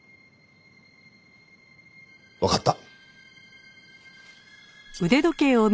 わかった。